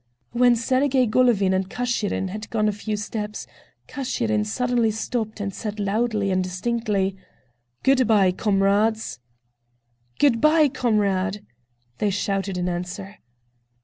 When Sergey Golovin and Kashirin had gone a few steps, Kashirin suddenly stopped and said loudly and distinctly: "Good by, comrades." "Good by, comrade," they shouted in answer.